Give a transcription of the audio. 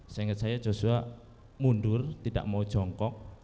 seingat saya joshua mundur tidak mau jongkok